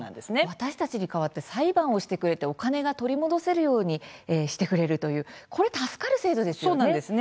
私たちに代わって裁判をしてくれてお金が取り戻せるようにしてくれるという助かる制度ですね。